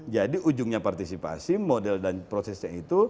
jadi ujungnya partisipasi model dan prosesnya itu